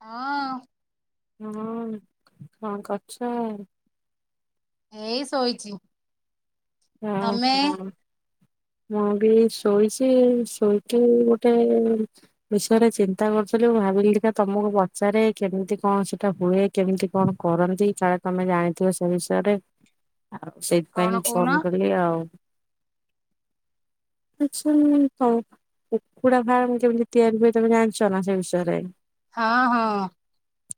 ହଁ। ହଁ ହଁ କଣ କରୁଚ? ଏଇ ଶୋଇଚି। ହଁ ହଁ। ମୁଁ ବି ଶୋଇଚି ଶୋଇକି ଗୋଟେ ବିଷୟରେ ଚିନ୍ତା କରୁଥିଲି। ମୁଁ ଭାବିଲିକା ତମକୁ ପଚାରେ କେମିତି କଣ ସେଟା ହୁଏ କେମିତି କଣ କରନ୍ତି କାଳେ ତମେ ଜାଣିଥିବ ସେ ବିଷୟରେ। ଆଉ ସେଇଥିପାଇଁ କଣ କହୁନ କଲ କଲିି ଆଉ। ଆ କୁକୁଡା ଫାମ କେମିତି ତିଆରି ହୁଏ ତମେ ଜାଣିଛ ନା ସେ ବିଷୟରେ? ହଁ ହଁ।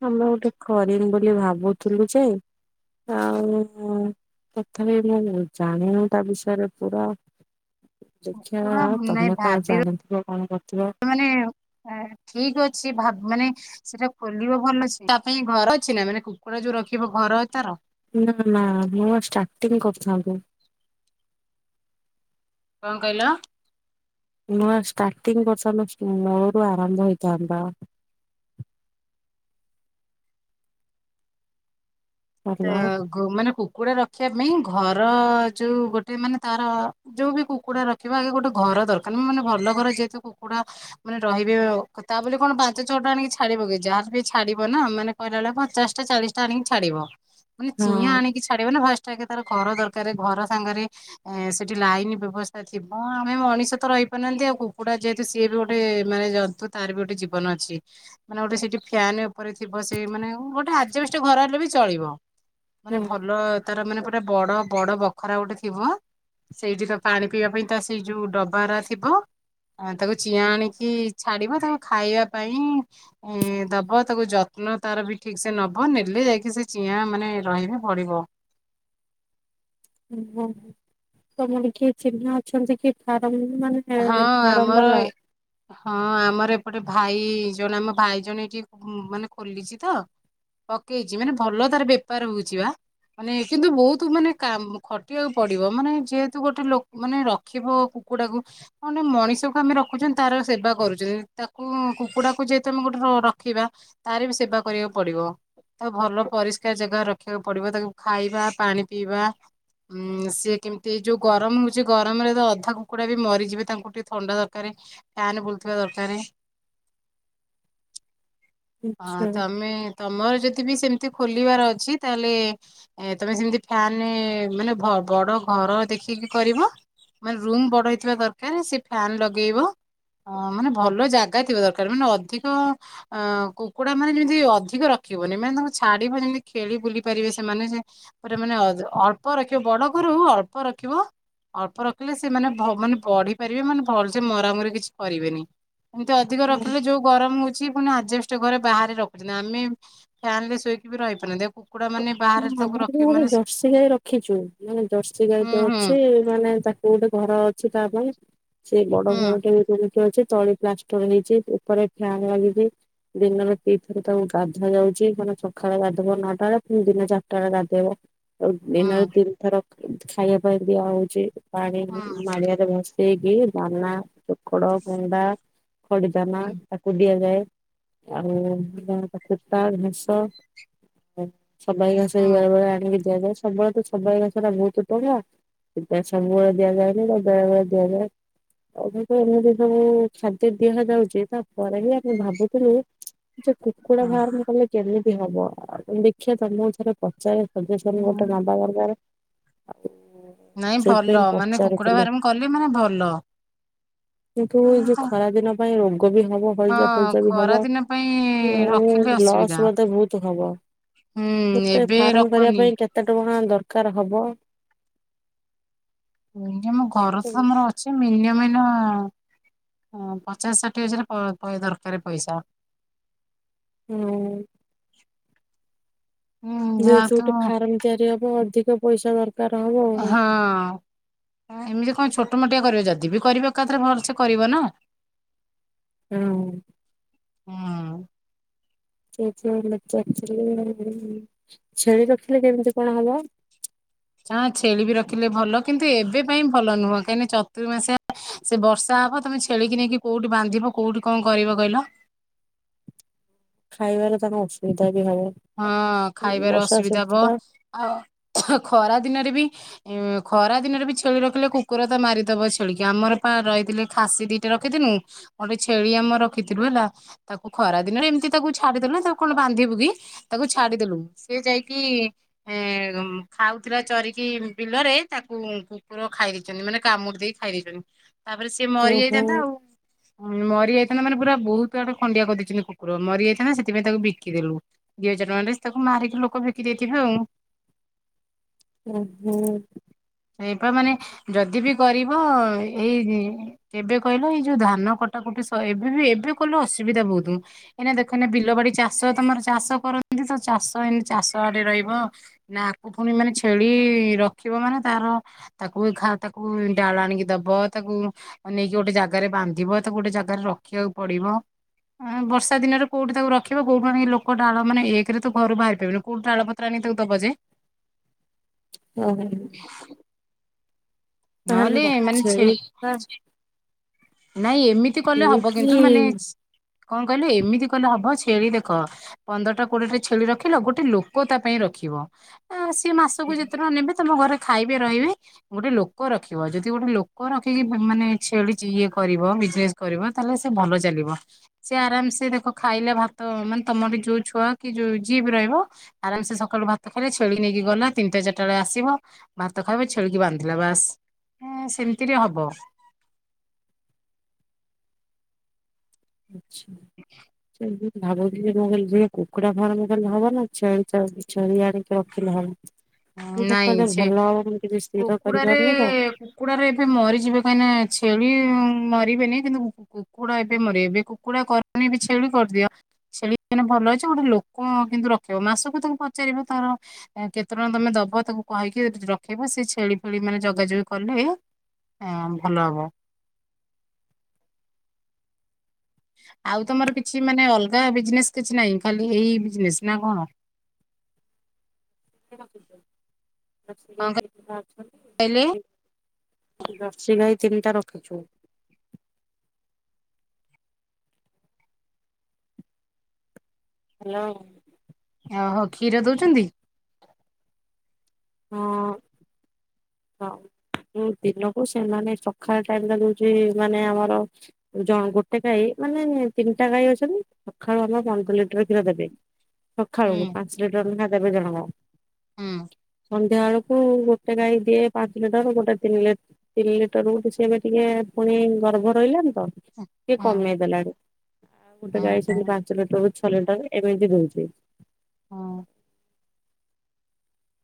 ଆମେ ଗୋଟେ କରିମୁଁ ବୋଲି ଭାବୁଥିଲୁ ଯେ ଆଉ ତଥାପି ମୁଁ ଜାଣିନୁ ତା ବିଷୟରେ ପୁରା ଦେଖିବା କୁକୁଡା ନାଇଁ ତମେ କାଳେ ଭାବ ଜାଣିଥିବ କଣ କରିଥିବ। ର ମାନେ ଠିକ ଅଛି ଭାବ ମାନେ ସେଇଟା ଖୋଲିବ ଭଲ ତା ପାଇଁ ଘର ଅଛି ନା ମାନେ କୁକୁଡା ଯୋଉ ରଖିବ ଘର ଅଛି ତାର? ନା ନା ମୁଁ ଷ୍ଟାର୍ଟିଂ କରିଥାନ୍ତି। କଣ କହିଲ? ନୂଆ ଷ୍ଟାର୍ଟିଂ କଥା ମୂଳରୁ ଆରମ୍ଭ ହେଇଥାନ୍ତା। ଭଲ। ତ ମାନେ କୁକୁଡା ରଖିବା ପାଇଁ ଘର ଯୋଉ ଗୋଟେ ମାନେ ତାର ଯୋଉ ବି କୁକୁଡା ରଖିବ ଆଗେ ଗୋଟେ ଘର ଦରକାର ନା ମାନେ ଭଲ ଘର ଯେହେତୁ କୁକୁଡା ମାନେ ରହିବେ ତା ବୋଲି କଣ ପାଞ୍ଚ ଛଅଟା ଆଣିକି ଛାଡିବ କି ଯାହାର ବି ଛାଡିବ ନା ମାନେ କହିଲା ବେଳେ ପଚାଶଟା ଚାଳିଶ ଟା ଆଣିକି ଛାଡିବ। ମାନ ଚିଁ ହଁ ଆଣିକି ଛାଡିବ ନା ଫାଷ୍ଟ ଟାକ ତାର ଘର ଦରକାର ଘର ସାଙ୍ଗରେ ଏ ସେଠି ଲାଇନ ବ୍ୟବସ୍ଥା ଥିବ ଆମେ ମଣିଷ ତ ରହିପାରୁନାହାନ୍ତି ଆଉ କୁକୁଡା ଯେହେତୁ ସିଏ ବି ଗୋଟେ ମାନେ ଜନ୍ତୁ ତାର ବି ଗୋଟେ ଜୀବନ ଅଛି ମାନେ ଗୋଟେ ସେଇଠି ଫ୍ୟାନ ଉପରେ ଥିବ ସେ ମାନେ ଗୋଟେ ଆଜବଷ୍ଟେ ଘର ହେଲେ ବି ଚଳିବ। ମାନେ ଭଲ ତାର ମାନେ ପୁରା ବଡ ବଡ ବଖରା ଗୋଟେ ଥିବ। ସେଇଠି ତ ପାଣି ପିଇବା ପାଇଁ ତା ସେଇ ଯୋଉ ଡବାର ଥିବ ତାକୁ ଚିଆଁ ଆଣିକି ଛାଡିବ। ତାକୁ ଖାଇବା ପାଇଁ ଦବ ତାକୁ ଯତ୍ନ ତାର ବି ଠିକ ସେ ନବ ନେଲେ ଯାଇକି ସେ ଚିଆ ମାନେ ରହିବେ ବଢ଼ିବ। ଓ ହୋ ତମର କିଏ ଚିହ୍ନା ଅଛନ୍ତି କି ଫାର୍ମ ମାନେ ହଁ ଫାର୍ମ ଆମର ବାଲା? ହଁ ଆମର ଏପଟେ। ଭାଇ ଜଣେ ଆମ ଭାଇ ଜଣେ ଏଠିେ ମାନେ ଖୋଲିଛି ତ ପକେଇଛି ମାନେ ଭଲ ତାର ବେପାର ହଉଛି ବା ମାନେ କିନ୍ତୁ ବହୁତ ମାନେ କ ଖଟିବାକୁ ପଡିବ ମାନେ ଯେହେତୁ ଗୋଟେ ଲୋକ ମାନେ ରଖିବ କୁକୁଡାକୁ। କଣ ମଣିଷକୁ ଆମେ ରଖୁଛନ୍ତି ତାର ସେବା କରୁଛନ୍ତି ତାକୁ କୁକୁଡାକୁ ଯେହେତୁ ଆମେ ଗୋଟେ ରଖିବା ତାର ବି ସେବା କରିବାକୁ ପଡିବ ତାକୁ ଭଲ ପରିଷ୍କାର ଜାଗା ରଖିବାକୁ ପଡିବ ତାକୁ ଖାଇବା ପାଣି ପିଇବା ଉଁ ସି କେମିତି ଯୋଉ ଗରମ ହଉଛି ଗରମରେ ତ ଅଧା କୁକୁଡା ବି। ମରିଯିବେ ତାଙ୍କୁ ଟିକେ ଥଣ୍ଡା ଦରକାର ଫ୍ୟାନ ବୁଲଥିବା ଦରକାର। ଆଚ୍ଛା ହଁ ତମେ ତମର ଯଦି ବି ସେମତି। ଖୋଲିବାର ଅଛି ତାହେଲେ ତମେ ସେମତି ଫ୍ୟାନ ମାନେ ବଡ ଘର ଦେଖିକି କରିବ ମାନ ରୁମ ବଡ଼ ହେ ଥିବା ଦରକାର ସେ ଫ୍ୟାନ ଲଗେଇବ ମାନେ ଭଲ ଜାଗା ଥିବା ଦରକାର ମାନେ ଅଧିକ କୁକୁଡା ମାନେ ଯେମତି ଅଧିକ ରଖିବନି ମାନେ ତାଙ୍କୁ ଛାଡିବ ଯେମିତି ଖେଳି ବୁଲି ପାରିବେ ସେମାନେ ପ ମାନେ ଅଳ୍ପ ରଖିବ ବଡ ଘର ଅଳ୍ପ ରଖିବ ଅଳ୍ପ ରଖିଲେ ସେମାନେ ମାନେ ବଢି ପାରିବେ ମାନେ ଭଲସେ ମରାମରି କିଛି କରିବେନି। ଏମିତି ଅଧିକ ହଁ। ରଖିଲେ ଯୋଉ ଗରମ ହଉଛି। ଆଷ୍ଟ ଘରେ ବାହାରେ ରଖୁଛନ୍ତି ଆମେ ଫ୍ୟାନ ରେ ଶୋଇକି ବି ରହିପାରୁ ଦେଖୁ। ହଁ ଆମର ଗୋଟେ ଜର୍ସି ଗାଈ ରଖିଛୁ ମାନେ ଜର୍ସି ଗାଈ ହୁଁ ଟେ ହୁଁ ଅଛି ମାନେ ତାକୁ ଗୋଟେ ଘର ଅ। [unintelligible] ସେ ବଡ ହୁଁ ଘରଟେ ହେଇପାରିଲେ ଅଛି ତଳି ପ୍ଲାଷ୍ଟର ହେଇଛି ଉପରେ ଫ୍ୟାନ୍ ଲାଗିଛି ଦିନରେ ପିଇଥରେ ତାକୁ ଗାଧା ଯାଉଛି ମାନେ ସକାଳେ ଗାଧବ ନଅଟାରେ। ଦିନେ ଚାରଟାରେ ଗାଧେଇବ। ହୁଁ ଦିନରେ ତିନି ଥର ଖାଇବା ପାଇଁ ଦିଆ ହଉଛି। ପାଣି ହୁଁ [inaudible] ସେଗି ଦାନ ଚୋଖଡ ଗୁଣ୍ଡା। ଖଡିଜାନ ତାକୁ ଦିଆଯାଏ। ଆଉ କୁଟା ଘାସ। ସବାଇ ହୁଁ ଘାସେଇ ବେଳେବେଳେ ଆଣିକି। ଦିଆଯାଏ ସମ୍ବଳ ତ ସମବୟ ଗଛଟା ବୋହୁତ ଟଙ୍ଗା ସମ୍ବୂଳ ଦିଆଯାଏନି ବେଳେ ବେଳେ ଦିଆଯାଏ ଏମିତି ସବୁ ଖାଦ୍ୟ ଦିଆ ଯାଉଛି ତାପରେ ହି ଆମେ ଭାବୁଥିଲୁ। ସେ କୁକୁଡ଼ା ହୁଁ ଫାର୍ମ କଲେ କେବ। ହବ ଆ ଦେ। ଦେଖିଆ ତମକୁ ଥରେ ପଚାରେ। [unintelligible] ହୁଁ ଗୋଟେ ନବା ଦରକାର। ନାଇଁ ଭଲ ସେଥିପାଇଁ ମାନେ କୁକୁଡା ପଚାରୁଥିଲି ଫାର୍ମ କଲେ ମାନେ ଭଲ। କିନ୍ତୁ ଏଇ ଯୋଉ ଖରା ଦିନ ପାଇଁ ରୋଗ ବି ହବ ହଁ ହଇଚା ଫଇଚା ବି ଖରା ହବ ଦିନ ପାଇଁ ଆ ରଖିଲେ ଲସ୍ ଅସୁବିଧା ମେ ବୋହୁତ ହବ। ହୁଁ ଗୋଟେ ଏବେ ଫାର୍ମ କରିବା ରଖନି ପାଇଁ କେତେ ଟଙ୍କ ଦରକାର ହବ। [inaudible] ମିନିଅମ ଘର ତ ତମର ଅଛି ମିନି [inaudible] ପଚାଶ ଷାଠିଏ ହଜାର ପ ଦରକାର ପଇସା। ହୁଁ। ହୁଁ ଯେହେତୁ ଯାହାତୁ ଗୋଟେ ଫାର୍ମ ତିଆରି ହବ ଅଧିକ ପ‌ଇସା ଦ ହଁ ଏମିତି କଣ ଛୋଟ ମୋଟିଆ କରିବ ଯଦି ଯଦି କରିବ ଏକାଥରେ ଭଲସେ କରିବ ନା ହୁଁ ହଁ [inaudible] [unintelligible] ଛେଳି ରଖିଲେ କେମିତି କଣ ହବ? ହଁ ଛେଳି ବି ରଖିଲେ ଭଲ, କିନ୍ତୁ ଏବେ ପାଇଁ ଭଲ ନୁହଁ କାହିଁକି ନା ଚତୁରୁ ମାସିଆ ସେ ବର୍ଷା ହବ ତମେ ଛେଳିିକି ନେଇକି କୋଉଠି ବାନ୍ଧିବ କୋଉଠି କଣ କରିବ କହିଲ? ଖାଇବାରେ ତାଙ୍କ ଅସବିଧା ହଁ ଖାଇବାରେ ଅସୁବିଧା ହବ ସେଥିଟା [unintelligible] ଖରା ଦିନରେ ବି ଖରା ଦିନରେ ବି ଛେଳି ରଖିଲେ କୁକୁର ତ ମାରିଦବ ଛେଳି କିି ଆମର ପା ରହିଥିଲେ ଖାସି ଦିଟା ରଖିଥିନୁ ଗୋଟେ ଛେଳି ଆମର ରଖିଥିଲୁ ହେଲା ତାକୁ ଖରା ଦିନରେ ଏମିତି ତାକୁ ଛାଡିଦେଲେୁ ତାକୁ କଣ ବାନ୍ଧିବୁ କି ତାକୁ ଛାଡିଦେଲୁ ସେ ଯାଇକି ଏ ଖାଉଥିଲା ଚରିକି ବିଲରେ ତାକୁ କୁକୁର ଖାଇ ଦେଇଚନ୍ତି ମାନେ କାମୁଡି ଦେଇ ଖାଇ ଦେଇଚନ୍ତି। ତାପରେ ସିଏ ମରି ଓହୋ ଯାଇଥାନ୍ତା ଆଉ ମରି ଯାଇଥାନ୍ତା ମାନେ ପୁରା ବୋହୁତ ଆଡୁ ଖଣ୍ଡିଆ କରିଦେଇଚନ୍ତି କୁକୁର ମରି ଯାଇଥାନ୍ତା ସେଥିପାଇଁ ତାକୁ ବିକିଦେଲୁ। ଦିଇ ହଜାର ଟଙ୍କାରେ ତାକୁ ମାରିକି ଲୋକ ବିକି ଦେଇଥିବେ ଆଉ ଉଁ ହୁଁ ସେଇପା ମାନେ ଯଦି ବି କରିବ ଏଇ କେବେ କହିଲ ଏଇ ଯୋଉ ଧାନ କଟାକଟି ସ‌ଇ ଏବେ ବି ଏବେ କଲେ ଅସୁବିଧା ବୋହୁତ ଏଇନା ଦେଖନି ବିଲ ବାଡି ଚାଷ ତମର ଚାଷ କରନ୍ତି ତ ଚାଷ ଏମତି ଚାଷ ଆଡେ ରହିବ ନା ଆକୁ ପୁଣି ମାନେ ଛେଳି ରଖିବ ମାନେ ତାର ତାକୁ ତାକୁ ଡାଳ ଆଣିକି ଦବ ତାକୁ ନେଇକି ଗୋଟେ ଜାଗାରେ ବାନ୍ଧିବ ତାକୁ ଗୋଟେ ଜାଗାରେ ରଖିବାକୁ ପଡିବ ଉଁ ବର୍ଷା ଦିନରେ କୋଉଠି ତାକୁ ରଖିବ କୋଉଠି ଆଣିଲି ଲୋକ ଡାଳ ମାନେ ଏକରେ ତ ଘରୁ ବାହାରି ପାରିବନି କୋଉଠୁ ଡାଳ ପତ୍ର ଆଣିକି ଦବ ଯେ ହୁଁ ନହେଲେ ମାନେ ଛେ ଛେଳି ଟା ନାଇଁ ଏମିତି କଲେ ହବ କିନ୍ତୁ ଛେଳିକି ମାନେ କଣ କହିଲୁ ଏମିତି କଲେ ହବ ଛେଳି ଦେଖ ପନ୍ଦରଟା କୋଡିଏଟା ଛେଳି ରଖିଲ ଗୋଟେ ଲୋକ ତା ପାଇଁ ରଖିବ ଆ ସେ ମାସକୁ ଯେତେ ଟଙ୍କା ନେବେ ତମ ଘରେ ଖାଇବେ ରହିବେ ଗୋଟେ ଲୋ ଲୋକ ରଖିବ ଯଦି ଗୋଟେ ଲୋକ ରଖିକି ମାନେ ଛେଳି ଇଏ କରିବ ବିଜନେସ କରିବ ତାହେଲେ ସେ ଭଲ ଚାଲିବ ସେ ଆରାମସେ ଦେଖ ଖାଇଲା ଭାତ ମାନେ ତମରେ ଯୋଉ ଛୁଆ କି ଯୋଉ ଯିଏ ବି ରହିବ ଆରାମସେ ସକାଳୁ ଭାତ ଖାଇଲେ ଛେଳି ନେଇକି ଗଲା ତିନିଟା ଚାରିଟା ବେଳେ ଆସିବ ଭାତ ଖାଇବ ଛେଳିିକି ବାନ୍ଧିବ ବାସ୍ ହଁ ସେମିତିରେ ହବ। ଆଚ୍ଛା। [unintelligible] ଭାବୁଥିଲି କଣ କହିଲୁ ଝିଅ ମୁଁ କୁକୁଡ଼ା ଫାର୍ମ କଲେ ହବ ନା ଛେଳି ଛେଳି ଆଣିକି ରଖିଲେ ହବ। କୋଉଟା ନାଇଁ କଲେ ସେ ଭଲ ହବ ମୁଁ କିଛି ସ୍ଥିର କୁକୁଡାରେ କରିପାରୁନି ତ କୁକୁଡାରେ ଏବେ ମରିଯିବ କାହିଁକି ନା ଛେଳି ମରିବେନି କିନ୍ତୁ କୁକୁଡା ଏବେ ମରିବ କୁକୁଡା କରନି ଏ ଛେଳି କରିଦିଅ ଛେଳି ମଲେ ଭଲ ଅଛି ଗୋଟେ ଲୋକ କିନ୍ତୁ ରଖିବ ମାସକୁ ତାଙ୍କୁ ପଚାରିବ ତାର କେ ତମେ ତମେ ଦବ ତାକୁ କହିକି ରଖିବ ସେ ଛେଳି ଫେଳି ମାନେ ଯଗାଯୁଗି କଲେ ଆଂ ଭଲ ହବ। ଆଉ ତମର କିଛି ମାନେ ଅଲଗା ବିଜନେସ୍ କିଛି ନାହିଁ ଖାଲି ଏଇ ବିଜନେସ୍ ନା କଣ- [unintelligible] ଦର୍ସି ଗାଈ କଣ କେତିଟା କହିଲେ ଅଛନ୍ତି ଦର୍ସି ଗାଈ ତିନିଟା ରଖିଚୁ। ହଲୋ। ଓହୋ କ୍ଷୀର ଦଉଚନ୍ତି। ହଁ। ହଁ ଦିନକୁ ସେମାନେ ସକାଳ ଟାଇମ୍ ଦଉଚି ମାନେ ଆମର ଗୋଟେ ଗାଈ ମାନେ ତିନିଟା ଗାଈ ଅଛନ୍ତି ସକାଳୁ ଆମେ ପନ୍ଦର ଲିଟର କ୍ଷୀର ଦେବେ ସଖାଳ ହୁଁ କୁ ପାଞ୍ଚ ଲିଟର ନାଖା ଦେବିକଣ ହୁଁ [inaudible] ସନ୍ଧ୍ୟା ବେଳକୁ ଗୋଟେ ସେ କାଇ ଟିଏ ପାଞ୍ଚ ଲିଟର ଗୋଟେ ତିନି ତିନି ଲିଟର ଗୋଟେ ସିଏ ଏବେ ଟିକେ ପୁଣି ଗର୍ଭ ରହିଲାନ କିଏ ହୁଁ କଣମେ ଦେଲା ଆଡ ଆଉ ଗୋଟେ ହୁଁ ଗାଇି ପାଞ୍ଚ ଲୋଟ ଛଟ ଏମିତି ରଉଛି। ହଁ।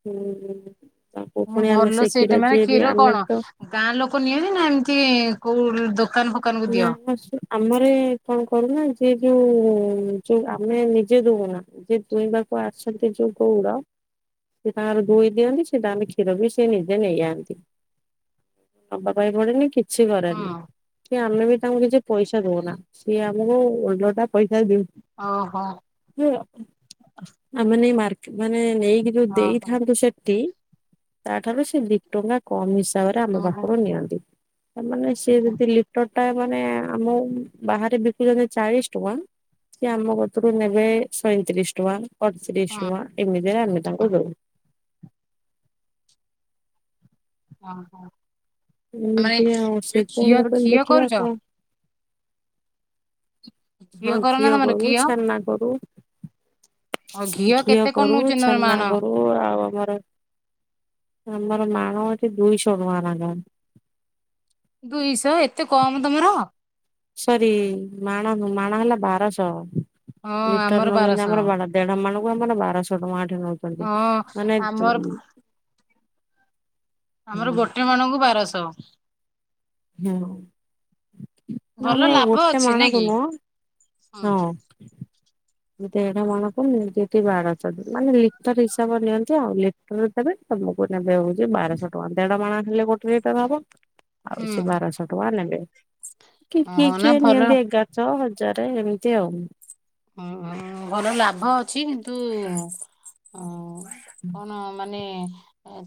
ହୁଁ ହୁଁ। ହଁ ଭଲ ସେଇଟା ମାନେ କ୍ଷୀର କଣ ତ ଗାଁ ଲୋକ ନିଅନ୍ତି ନା ଏମିତି କୋଉ [inaudible] କୁ ନା ଦିଅ? ଆମର କଣ କରୁନା ଯଏ ଯୋଉ ଯୋଉ ଆମେ ନିଜେ ଦୁଉନା ଯ ଦୋଇଁବାକୁ ଆସନ୍ତି ଯୋଉ ଗଉଡ଼ ସେ ତାଙ୍କର ଧୋଇ ଦିଅନ୍ତି ସେଟା ଆମେ କ୍ଷୀର ବି ସେ ନିଜେ ନେଇଯାନ୍ତି ନବା ପାଇଁ ପଡେନି। ଅଛି କରି ହୁଁ ସିଏ ଆମେ ବି ତାଙ୍କୁ କିଛି ପଇସା ଦଉନା ସିଏ ଓଣ୍ଡଟା ପଇସା ଦଉ ଓ ହୋ। ଆମାନ ମାର୍କ ମାନେ ନେଇକି ଯୋଉ ଓହୋ ଦେଇଥାନ୍ତୁ ସେଠି ତାଠାରୁ ସେ ଦିଇ ଟଙ୍କା କମ୍ ତାପରେ ଆମ ଓହୋ ପାଖରୁ ନିଅନ୍ତି। ତାମାନେ ସିଏ ଯିଦି ଲି ଟା ମାନେ ଆମ ବାହାରେ ବିକୁଚନ୍ତି ଚାଳିଶ ଟଙ୍କା ସେ ଆମ କତରୁ ନେବେ ସଇଁତିରିଶ ଟଙ୍କା। ଅଣତିରିଶ ହଁ ଟଙ୍କା ଏମିତିରେ ଆମେ ତାଙ୍କୁ ଦେଉ। ଓହୋ। ମାନେ ଏମିତି ଆଉ ଯୋଉ ଘିଅ ସେତେବେଳେ [unintelligible] ଘିଅ ଦେଖିବା କରୁଛ କ ହଁ କର ନା ଘିଅ ତମର କରୁ ଛେନା କରୁ। ଆଉ ଘିଅ କେତେ କଣ କରୁ ନଉଛନ୍ତି ତମର ଛେନା ମାଣ? କରୁ ଆଉ ଆମର ଆମର ମାଣ ହୋଉଚି ଦୁଇଶହ ଟଙ୍କା ନାଖା ଦୁଇଶହ ଏତେ କମ ତମର। ସରି ମାଣ ନୁହେଁ ମାଣ ହେଲା ବାରଶହ। ଲିଟର ଆମର ନେଉଛନ୍ତି ବାରଶହ ଆମର ବଡ ଦେଢ ମାଣକୁ [unintelligible] ବାରଶହ ଟଙ୍କା। ନୋଉଚନ୍ତି ହଁ ମାନେ ଆମର ଆମର ଗୋଟେ ମାଣଙ୍କୁ ବାରଶହ। ହଁ ଭଲ ଆମର ଲାଭ ଗୋଟେ ଅଛି ନାଇଁ ମାଣଙ୍କୁ କି? ନୁହ ହୁଁ ହଁ। ଦେଢ ମାଣକୁ ନିଅନ୍ତି ଏଠି ବାରଶହ ମାନେ ଲିଟର ହିସାବ ନିଅନ୍ତି ଆଉ ଲିଟର ହିସାବରେ ପରେ ତମକୁ ନେ ହୋଉଚି ବାରଶହ ଟଙ୍କା ଦେଢ ମାଣା ହେଲେ ଗୋଟେ ଲିଟର ହବ। ଆଉ ହୁଁ ସେ ବାରଶହ ଟଙ୍କା ହାଲୋ। କିଏ କିଏ ଓହୋ ନା କିଏ ଭଲ ନିିଅନ୍ତି ଏଗାରଶହ ହଜା ଚରେ ଏମିତି ଆଉ ହଁ ଭଲ ଲାଭ ଅଛି କିନ୍ତୁ ଉଁ କଣ ମାନେ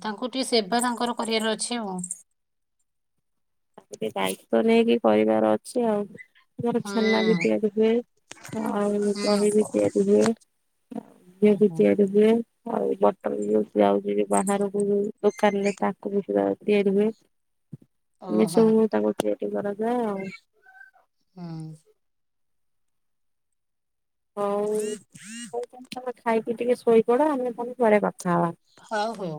ତାଙ୍କୁ ଟିକେ ସେବା ତାଙ୍କର କରିବାର ଅଛି ଆଉ। ଟିକେ ଦାୟିତ୍ଵ ନେଇକି କରିବାର ଅଛି ଆଉ। ଖିରରେ ହୁଁ ଛେନା ବି ତିଆରି ହୁଏ ଆଉ ହୁଁ ହୁଁ ଦହି ବି ତିଆରି ହୁଏ ଘିଅ ବି ଓହୋ ତିଆରି ହୁଏ। ଆଉ ବଟର ଯୋଉ ଯାଉଚି ବି ବାହାରକୁ ଦୋକାନରେ ତାକୁ ବି ସୁଦା ତିଆରି ହୁଏ। ହୁଁ ଏମମି ସବୁ ତାଙ୍କୁ ଟି ଏମିତି କରାଯାଏ ଆଉ। ହଁ। ଆଉ ହଉ ତାନେ ତୋମେ ଖାଇ କି ଟିକେ ଶୋଇପଡ ଆମେ ତାନେ ପଡେ କ ହଉ ହଉ।